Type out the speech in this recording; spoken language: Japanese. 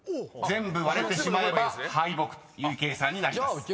［全部割れてしまえば敗北という計算になります］